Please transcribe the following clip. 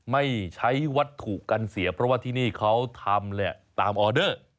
ไม่ใช้วัตถุกันเสียเพราะว่าที่นี่เขาทำตามออเดอร์